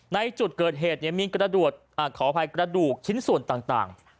ในจุดเกิดเหตุมีกระดูกชิ้นส่วนต่าง